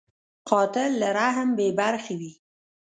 قاتل له رحم بېبرخې وي